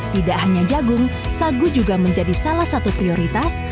tidak hanya jagung sagu juga menjadi salah satu prioritas